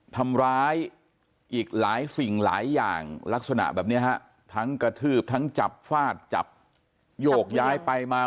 ทำร้ายอีกหลายสิ่งหลายอย่างลักษณะแบบนี้ฮะทั้งกระทืบทั้งจับฟาดจับโยกย้ายไปมา